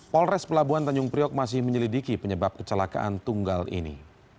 polres pelabuhan tanjung priok masih menyelidiki penyebab kecelakaan tunggal ini